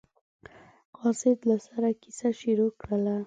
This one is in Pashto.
قاصد له سره کیسه شروع کړله.